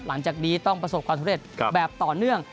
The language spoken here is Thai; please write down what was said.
หลังจากนี้ต้องประสบความสำเร็จแบบต่อเนื่อง